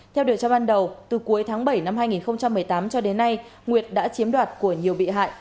theo điều tra ban đầu từ cuối tháng bảy năm hai nghìn một mươi tám cho đến nay nguyệt đã chiếm đoạt của nhiều bị hại